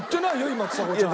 今ちさ子ちゃん。